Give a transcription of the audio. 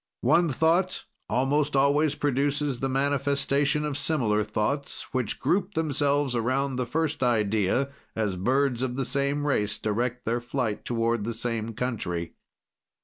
"One thought almost always produces the manifestation of similar thoughts, which group themselves around the first idea as birds of the same race direct their flight toward the same country.